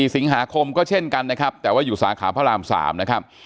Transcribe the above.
สิงหาคมก็เช่นกันนะครับแต่ว่าอยู่สาขาพระราม๓นะครับ